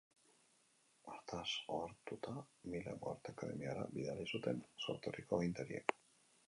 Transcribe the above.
Hartaz ohartuta, Milango Arte Akademiara bidali zuten sorterriko agintariek.